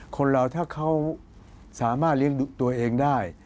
คนเราถ้าเขาสามารถเลี้ยงตัวเองได้